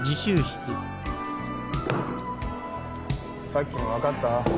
さっきの分かった？